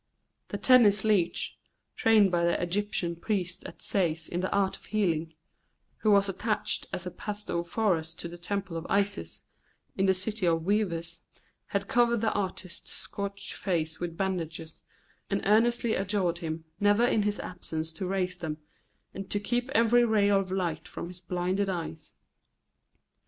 The Tennis leech, trained by the Egyptian priests at Sais in the art of healing, who was attached as a pastophorus to the Temple of Isis, in the city of weavers, had covered the artist's scorched face with bandages, and earnestly adjured him never in his absence to raise them, and to keep every ray of light from his blinded eyes.